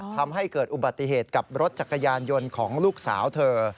ทำให้เกิดอุบัติเหตุกับรถจักรยานยนต์ของลูกสาวเธอ